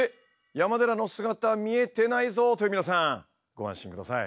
山寺の姿見えてないぞ！という皆さんご安心ください。